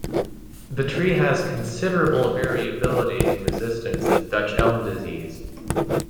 The tree has considerable variability in resistance to Dutch elm disease.